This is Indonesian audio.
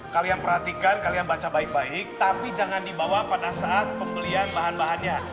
kalian perhatikan kalian baca baik baik tapi jangan dibawa pada saat pembelian bahan bahannya